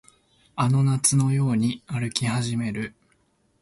あの夏のように歩き始める